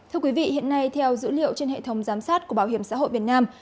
thưa quý vị hiện nay theo dữ liệu trên hệ thống giám sát của bảo hiểm xã hội việt nam